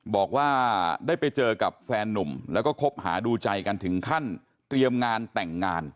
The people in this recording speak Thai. บอกว่าได้ไปเจอกับแฟนนุ่มแล้วก็คบหาดูใจกันถึงขั้นเตรียมงานแต่งงาน